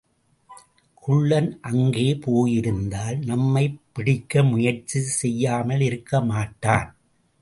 குள்ளன் அங்கே போயிருந்தால் நம்மைப் பிடிக்க முயற்சி செய்யாமலிருக்கமாட்டான்.